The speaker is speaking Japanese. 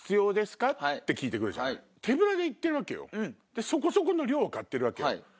手ぶらで行ってるわけよそこそこの量を買ってるわけよ。